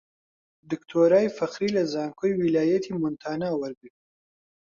دکتۆرای فەخری لە زانکۆی ویلایەتی مۆنتانا وەرگرت